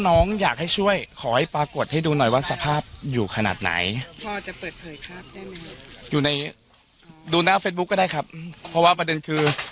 ลองฟังลองฟัง